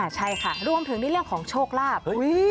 ใช่ค่ะรวมถึงในเรื่องของโชคลาภ